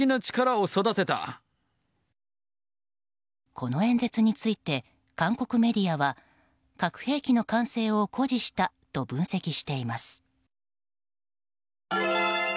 この演説について韓国メディアは核兵器の完成を誇示したと分析しています。